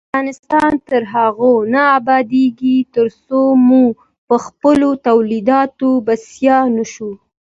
افغانستان تر هغو نه ابادیږي، ترڅو موږ پخپلو تولیداتو بسیا نشو.